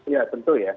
ya tentu ya